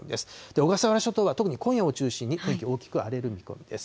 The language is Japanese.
小笠原諸島は特に今夜を中心に天気、大きく荒れる見込みです。